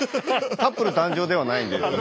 カップル誕生ではないんで。